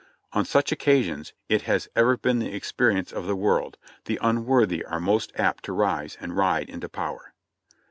On such occasions, it has ever been the experience of the world, the unworthy are most apt to rise and ride into power.